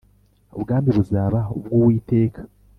ubwami buzaba ubw Uwiteka